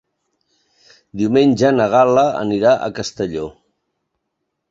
Diumenge na Gal·la anirà a Castelló.